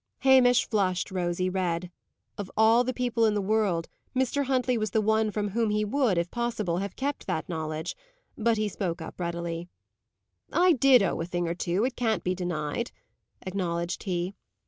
Hamish flushed rosy red. Of all people in the world, Mr. Huntley was the one from whom he would, if possible, have kept that knowledge, but he spoke up readily. "I did owe a thing or two, it can't be denied," acknowledged he.